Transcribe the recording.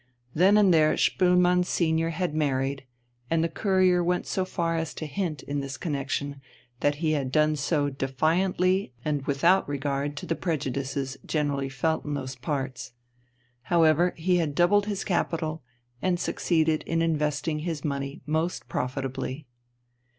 Then and there Spoelmann senior had married and the Courier went so far as to hint in this connexion that he had done so defiantly and without regard to the prejudices generally felt in those parts. However, he had doubled his capital and succeeded in investing his money most profitably.